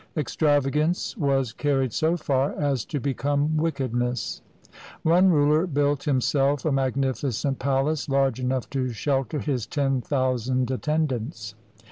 Extravagance was carried so far as to become wickedness. One ruler built himself a magnificent palace, large enough to shelter his ten thousand attendants.